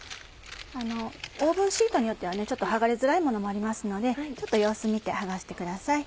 オーブンシートによってはちょっと剥がれづらいものもありますので様子見て剥がしてください。